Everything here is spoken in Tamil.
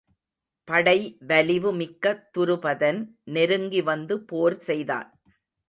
படை வலிவு மிக்க துருபதன் நெருங்கி வந்து போர் செய்தான்.